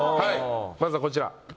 まずはこちら。